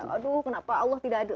aduh kenapa allah tidak aduh